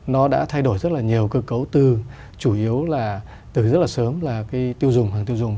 nó đã thay đổi rất là nhiều cơ cấu từ chủ yếu là từ rất là sớm là cái tiêu dùng hàng tiêu dùng